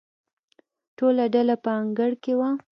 ټوله ډله په انګړ کې وه.